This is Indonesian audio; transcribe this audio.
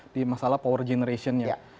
di masalah power generation nya